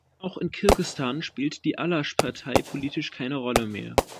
Auch in Kirgisistan spielt die Alasch-Partei politisch keine Rolle mehr.